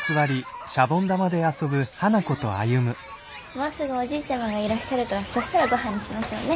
もうすぐおじいちゃまがいらっしゃるからそしたらごはんにしましょうね。